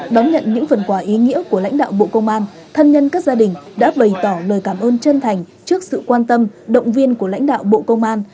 đón nhận những phần quà ý nghĩa của lãnh đạo bộ công an thân nhân các gia đình đã bày tỏ lời cảm ơn chân thành trước sự quan tâm động viên của lãnh đạo bộ công an